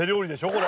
これ。